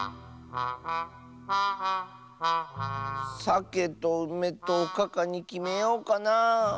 さけとうめとおかかにきめようかなあ。